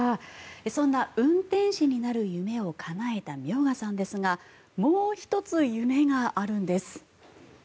そんな運転士になる夢をかなえた明賀さんですがもう１つ夢があるんです。